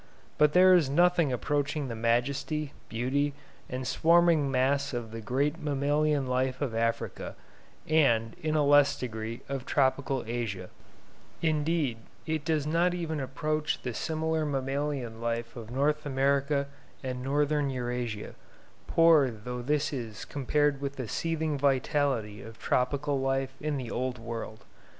But there is nothing approaching the majesty, beauty, and swarming mass of the great mammalian life of Africa and, in a less degree, of tropical Asia; indeed, it does not even approach the similar mammalian life of North America and northern Eurasia, poor though this is compared with the seething vitality of tropical life in the Old World.